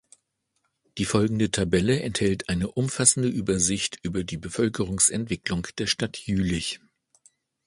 Die folgende Tabelle enthält eine umfassende Übersicht über die Bevölkerungsentwicklung der Stadt Jülich.